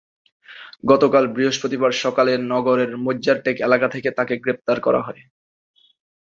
গতকাল বৃহস্পতিবার সকালে নগরের মইজ্জারটেক এলাকা থেকে তাঁকে গ্রেপ্তার করা হয়।